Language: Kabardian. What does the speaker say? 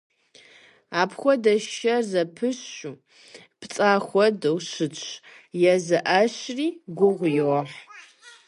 Апхуэдэ шэр зэпышу, пцӀа хуэдэу щытщ, езы Ӏэщри гугъу йохь.